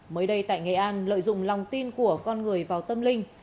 mới đây tại nghệ an lợi dụng lòng tin của con người vào tâm linh